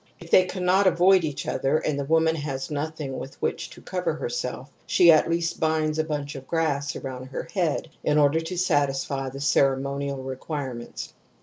If they cannot avoid each other and the woman has nothing with which to cover herself, she at least binds a bunch of grass around her head in order to satisfy the ceremonial requirements.